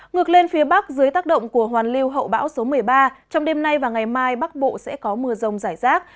ngược lên phía bắc dưới tác động của hoàn lưu hậu bão số một mươi ba trong đêm nay và ngày mai bắc bộ sẽ có mưa rông rải rác